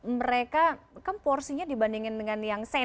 mereka kan porsinya dibandingkan dengan yang senang